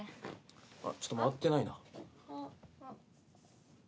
あっちょっと回ってないな。